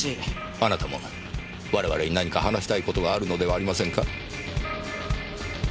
あなたも我々に何か話したい事があるのではありませんか？